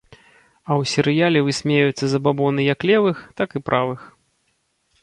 А ў серыяле высмейваюцца забабоны як левых, так і правых.